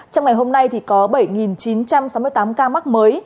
trong ngày hôm nay có bảy chín trăm sáu mươi tám ca mắc mới